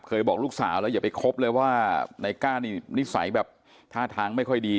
บอกลูกสาวแล้วอย่าไปคบเลยว่าในก้านี่นิสัยแบบท่าทางไม่ค่อยดี